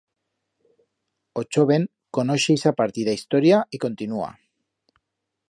O choven conoixe ixa parti d'a historia y continúa.